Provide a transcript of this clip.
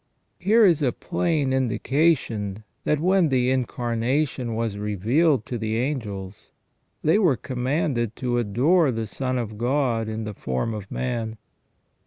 Here is a plain indication that when the Incarna tion was revealed to the angels, they were commanded to adore the Son of God in the form of man.